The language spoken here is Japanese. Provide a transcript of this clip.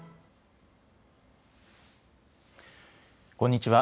こんにちは。